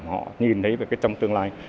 họ nhìn thấy về trong tương lai